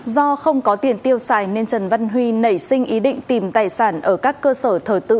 do không có tiền tiêu xài nên trần văn huy nảy sinh ý định tìm tài sản ở các cơ sở thờ tự để lấy trộm cắp tài sản